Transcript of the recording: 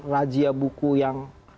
rajia buku yang